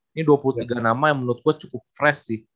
ini dua puluh tiga nama yang menurut gue cukup fresh sih